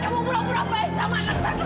kamu mau berapa berapa yang sama anak saya